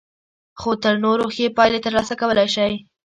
خو تر نورو ښې پايلې ترلاسه کولای شئ.